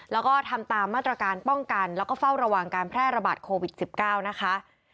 แล้วก็ทำตามมาตรการป้องกันแล้วก็เฝ้าระวังการแพร่ระบาดโควิด๑๙นะคะ